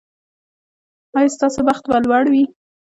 ایا ستاسو بخت به لوړ وي؟